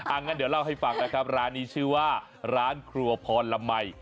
งั้นเดี๋ยวเล่าให้ฟังนะครับร้านนี้ชื่อว่าร้านครัวพรมัย